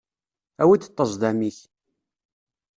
Awi-d ṭṭezḍam-ik.